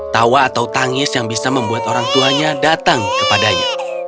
tawa atau tangis yang bisa membuat orang tuanya datang kepadanya